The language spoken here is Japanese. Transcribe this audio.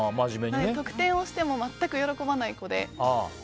得点をしても全く喜ばない子で。